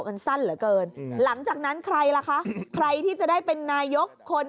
กันสั้นเหลือเกินหลังจากนั้นใครล่ะคะใครที่จะได้เป็นนายกคน